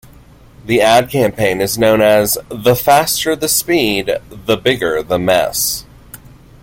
The ad campaign is known as "The Faster the Speed, the Bigger the Mess.